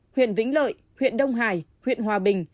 huyện vĩnh lợi huyện đông hải huyện hòa bình